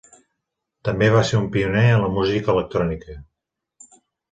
També va ser un pioner en la música electrònica.